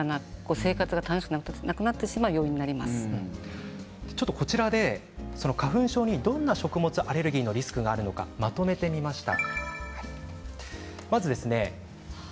生活が楽しくなくなってしまうこちらで花粉症にどんな食物アレルギーのリスクがあるのかまとめてみました。